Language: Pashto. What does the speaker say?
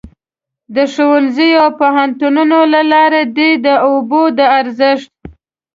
د ښوونځیو او پوهنتونونو له لارې دې د اوبو د ارزښت.